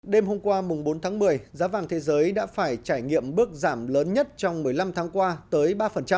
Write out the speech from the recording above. đêm hôm qua bốn tháng một mươi giá vàng thế giới đã phải trải nghiệm bước giảm lớn nhất trong một mươi năm tháng qua tới ba